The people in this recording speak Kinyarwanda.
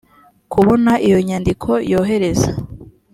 kubona iyo nyandiko yohereza